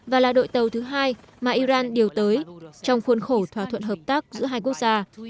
và là đội tàu thứ hai mà iran điều tới trong khuôn khổ thỏa thuận hợp tác giữa hai quốc gia